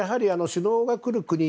首脳が来る国